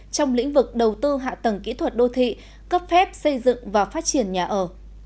trong lĩnh vực đầu tư hạ tầng kỹ thuật đô thị cấp phép xây dựng và phát triển nhà ở